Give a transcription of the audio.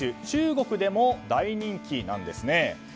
中国でも大人気なんですね。